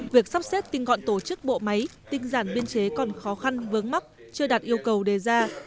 việc sắp xếp tinh gọn tổ chức bộ máy tinh giản biên chế còn khó khăn vướng mắc chưa đạt yêu cầu đề ra